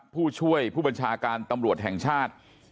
ผู้ช่วยผู้บัญชาการตำรวจแห่งชาติ